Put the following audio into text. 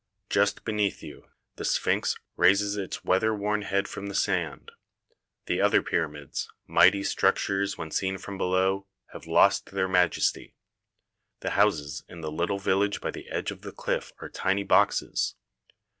Just beneath you the sphynx raises its weather worn head from the sand. The other pyramids, 34 THE SEVEN WONDERS mighty structures when seen from below, have lost their majesty. The houses in the little vil lage by the edge of the cliff are tiny boxes.